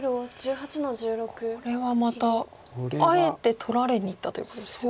これはまたあえて取られにいったということですよね。